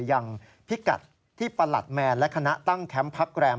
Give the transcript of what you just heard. ยังพิกัดที่ประหลัดแมนและคณะตั้งแคมป์พักแรม